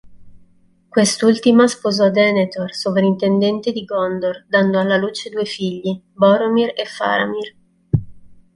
Quest'ultima sposò Denethor Sovrintendente di Gondor, dando alla luce due figli: Boromir e Faramir.